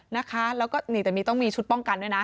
นะคะแล้วก็นี่แต่มีต้องมีชุดป้องกันด้วยนะ